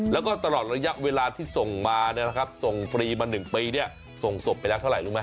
แล้วก็ตลอดระยะเวลาที่ส่งมาส่งฟรีมา๑ปีส่งศพไปแล้วเท่าไหร่รู้ไหม